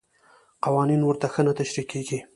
قوانین ورته ښه نه تشریح کېږي.